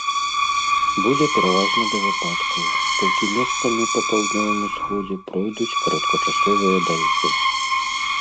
Будзе пераважна без ападкаў, толькі месцамі па паўднёвым усходзе пройдуць кароткачасовыя дажджы.